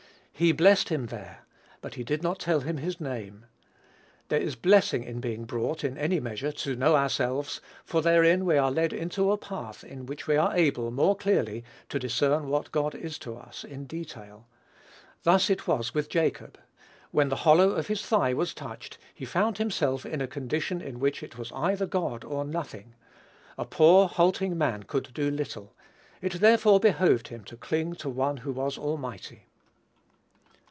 "He blessed him there;" but he did not tell his name. There is blessing in being brought, in any measure, to know ourselves, for therein we are led into a path, in which we are able, more clearly, to discern what God is to us in detail. Thus it was with Jacob. When the hollow of his thigh was touched he found himself in a condition in which it was either God or nothing. A poor halting man could do little: it therefore behoved him to cling to one who was almighty.